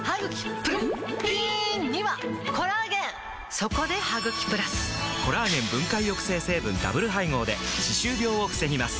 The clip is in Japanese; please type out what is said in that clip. そこで「ハグキプラス」！コラーゲン分解抑制成分ダブル配合で歯周病を防ぎます